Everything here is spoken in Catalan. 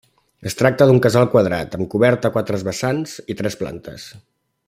Es tracta d'un casal quadrat, amb coberta a quatre vessants i tres plantes.